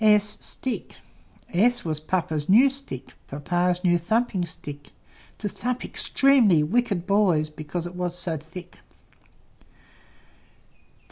S S was Papa's new Stick, Papa's new thumping Stick, To thump extremely wicked boys, Because it was so thick.